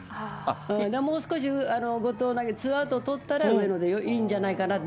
もう少し後藤投げて、ツーアウト取ったら、上野でいいんじゃないかなと。